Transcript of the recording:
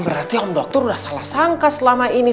berarti om dokter udah salah sangka selama ini